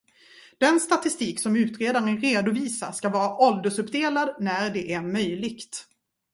Den statistik som utredaren redovisar ska vara åldersuppdelad när det är möjligt.